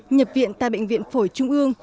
nhập viện tại bệnh viện phổi trung ương